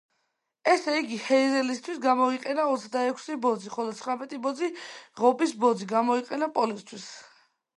ესე იგი, ჰეიზელისთვის გამოიყენა ოცდაექვსი ბოძი, ხოლო ცხრამეტი ბოძი, ღობის ბოძი, გამოიყენა პოლისთვის.